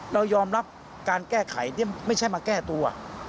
เรายอมรับการแก้ไขที่ไม่ใช่มาแก้ตัว